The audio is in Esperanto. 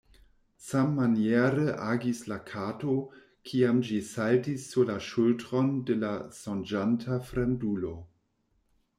Sammaniere agis la kato, kiam ĝi saltis sur la ŝultron de la sonĝanta fremdulo.